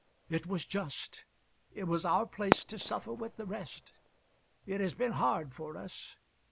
It was just; it was our place to suffer with the rest. It has been hard for us.